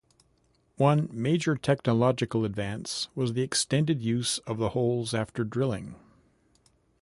One major technological advance was the extended use of the holes after drilling.